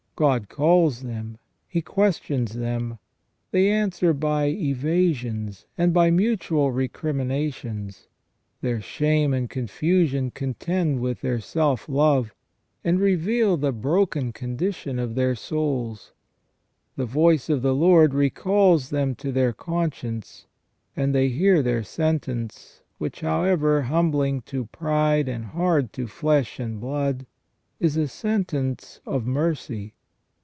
God calls them ; He questions them. They answer by evasions and by mutual recriminations. Their shame and confusion contend with their self love, and reveal the broken condition of their souls. The voice of the Lord recalls them to their conscience, and they hear their sentence, which, however humbling to pride and hard to flesh and blood, is a sentence of mercy.